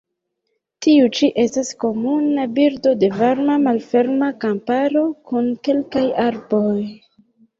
Tiu ĉi estas komuna birdo de varma malferma kamparo kun kelkaj arboj.